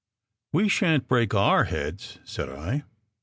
"We shan t break our heads," said I.